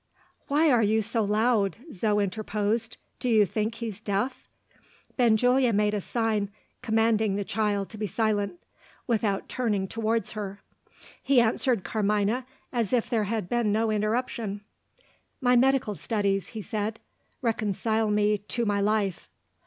"Why are you so loud?" Zo interposed. "Do you think he's deaf?" Benjulia made a sign, commanding the child to be silent without turning towards her. He answered Carmina as if there had been no interruption. "My medical studies," he said, "reconcile me to my life."